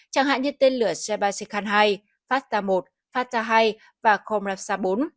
chẳng hạn như tên lửa sheba sekhan hai fasta một fasta hai và komrapsa bốn